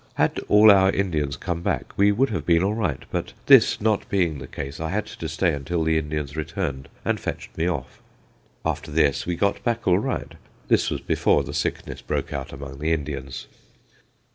Had all our Indians come back, we would have been all right, but this not being the case I had to stay until the Indians returned and fetched me off. After this we got back all right. This was before the sickness broke out among the Indians.